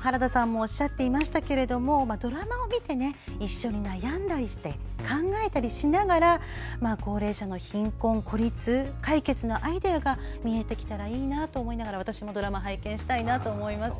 原田さんもおっしゃっていましたがドラマを見て、一緒に悩んだり考えたりしながら高齢者の貧困孤立の解決のアイデアが見えてきたらいいなと思いながらドラマ拝見したいと思います。